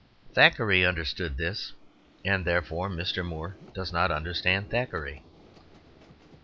Thackeray understood this, and therefore Mr. Moore does not understand Thackeray.